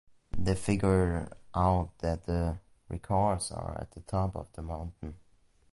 They figure out that the records are at the top of the mountain.